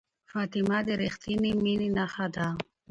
فاطمه د ریښتینې مینې نښه ده.